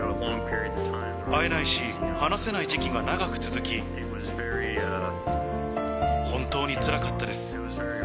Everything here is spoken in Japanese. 会えないし、話せない時期が長く続き、本当につらかったです。